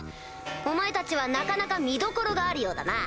お前たちはなかなか見どころがあるようだな。